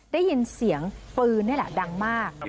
ได้ยินเสียงปืนดังมาก